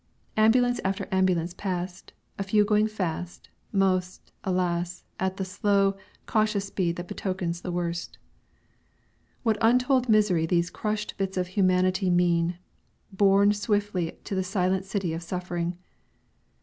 Ambulance after ambulance passed, a few going fast, most, alas! at the slow, cautious speed that betokens the worst. What untold misery these crushed bits of humanity mean, borne swiftly to the silent city of suffering!